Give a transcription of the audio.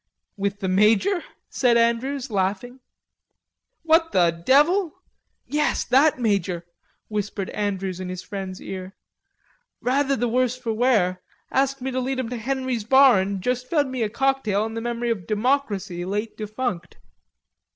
"With the major?" said Andrews, laughing. "What the devil?" "Yes; that major," whispered Andrews in his friend's ear, "rather the worse for wear, asked me to lead him to Henry's Bar and just fed me a cocktail in the memory of Democracy, late defunct....